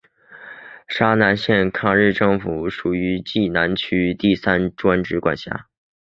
沙南县抗日政府属于冀南区第三专署管辖。